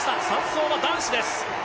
３走は男子です。